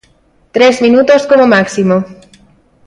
Tres minutos como máximo.